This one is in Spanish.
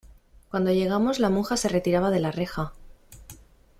cuando llegamos la monja se retiraba de la reja: